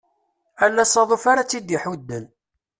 Ala asaḍuf ara tt-id-iḥudden.